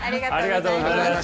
ありがとうございます。